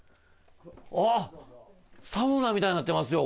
あっサウナみたいになってますよ